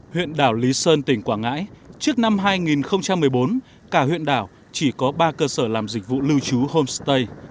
huyện đảo lý sơn tỉnh quảng ngãi trước năm hai nghìn một mươi bốn cả huyện đảo chỉ có ba cơ sở làm dịch vụ lưu trú homestay